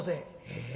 「ええ？